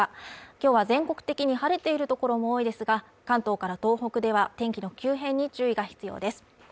今日は全国的に晴れているところも多いですが関東から東北では、天気の急変に注意が必要です。